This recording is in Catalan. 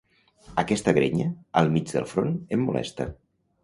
Aquesta grenya, al mig del front, em molesta.